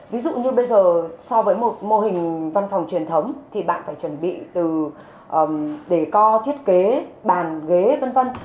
ví dụ như bây giờ so với một mô hình văn phòng truyền thống thì bạn phải chuẩn bị từ để co thiết kế bàn ghế v v